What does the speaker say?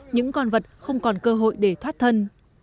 những con vật không còn cơ hội để thoát thân